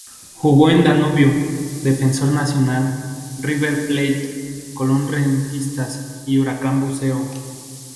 Jugó en Danubio, Defensor, Nacional, River Plate, Colón, Rentistas y Huracán Buceo.